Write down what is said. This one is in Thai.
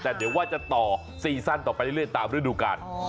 แต่เดี๋ยวว่าจะต่อซีซั่นต่อไปเรื่อยตามฤดูกาล